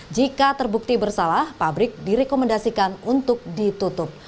jika terbukti bersalah pabrik direkomendasikan untuk ditutup